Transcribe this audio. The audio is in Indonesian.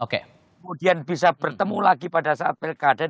kemudian bisa bertemu lagi pada saat pilkada